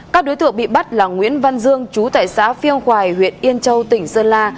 các đối tượng bị bắt là nguyễn văn dương chú tại xã phiêu khoài huyện yên châu tỉnh sơn la